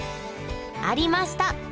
ありました！